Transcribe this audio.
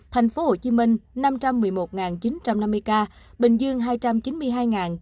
tp hcm năm trăm một mươi một chín trăm năm mươi ca bình dương hai trăm chín mươi hai chín trăm năm mươi ca